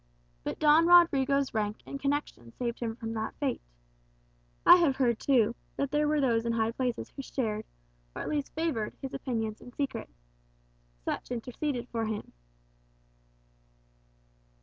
But Don Rodrigo's rank and connections saved him from that fate. I have heard, too, that there were those in high places who shared, or at least favoured his opinions in secret. Such interceded for him."